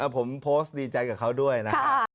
ผมโพสต์ดีใจกับเขาด้วยนะครับ